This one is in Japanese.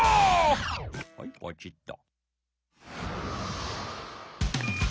はいポチっと。